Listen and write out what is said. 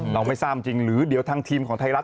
เราไม่ทราบจริงหรือเดี๋ยวทางทีมของไทยรัฐ